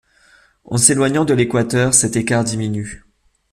En s'éloignant de l'équateur, cet écart diminue.